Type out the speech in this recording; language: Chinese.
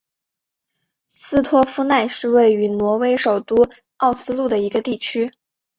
斯托夫奈是位于挪威首都奥斯陆的一个地区。